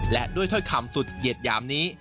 และด้วยถ้อยคำสุดเหยียดหยามนี้